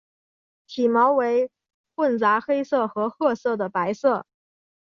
体毛为混杂黑色和褐色的白色。